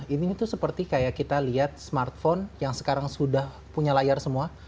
ini tuh seperti kayak kita lihat smartphone yang sekarang sudah punya layar semua